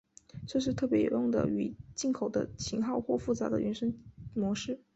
这是特别有用的与进口的型号或复杂的原生模式。